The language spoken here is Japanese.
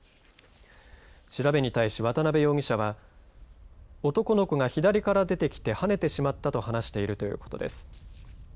調べに対し渡部容疑者は男の子が左か出てきはねてしまったと話しているということです。